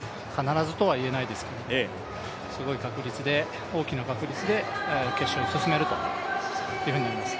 なので、落ち着いて自己ベストを出すと必ず、必ずとは言えないですけどすごい確率で、大きな確率で決勝に進めるというふうになります。